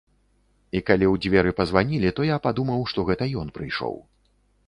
І калі ў дзверы пазванілі, то я падумаў, што гэта ён прыйшоў.